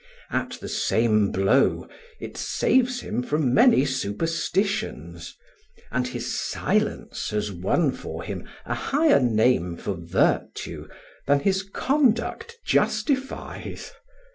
At the same blow it saves him from many superstitions, and his silence has won for him a higher name for virtue than his conduct justifies.